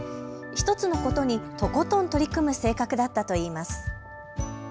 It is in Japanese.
１つのことに、とことん取り組む性格だったといいます。